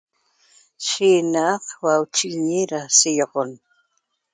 Yi na'a'q hua'auchiguiñi ra seýoxon